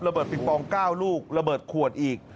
เบิงปอง๙ลูกระเบิดขวดอีก